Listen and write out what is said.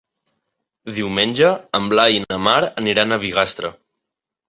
Diumenge en Blai i na Mar aniran a Bigastre.